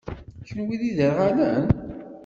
Kenwi d iderɣalen?